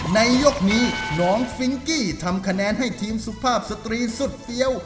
ในยกนี้น้องฟิงกี้ทำคะแนนให้ทีมสุภาพสตรีสุดเฟี้ยว